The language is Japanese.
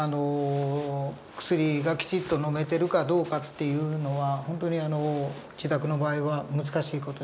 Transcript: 薬がきちっと飲めてるかどうかっていうのは本当に自宅の場合は難しい事じゃないかと思います。